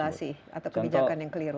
oke contoh regulasi atau kebijakan yang keliru